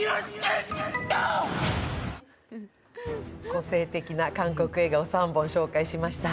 個性的な韓国映画を３本ご紹介しました。